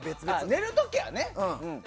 寝る時はね。